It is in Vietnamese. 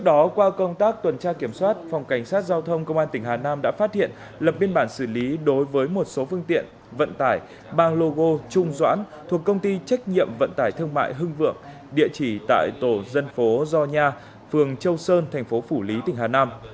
đó qua công tác tuần tra kiểm soát phòng cảnh sát giao thông công an tỉnh hà nam đã phát hiện lập biên bản xử lý đối với một số phương tiện vận tải bằng logo trung doãn thuộc công ty trách nhiệm vận tải thương mại hưng vượng địa chỉ tại tổ dân phố gio nha phường châu sơn thành phố phủ lý tỉnh hà nam